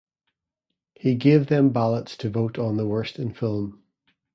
He gave them ballots to vote on worst in film.